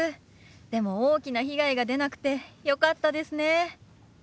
でも大きな被害が出なくてよかったですね。